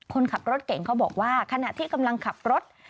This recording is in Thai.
คนขับรถเก่งเขาบอกว่าขณะที่กำลังขับรถ